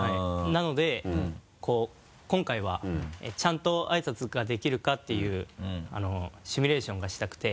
なので今回はちゃんとあいさつができるかっていうシミュレーションがしたくて。